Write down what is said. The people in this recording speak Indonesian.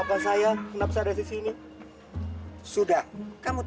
anak anak ini mau melapor